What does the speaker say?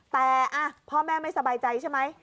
แต่พ่อแม่ไม่สบายใจใช่ไหม